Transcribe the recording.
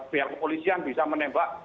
biar kepolisian bisa menembak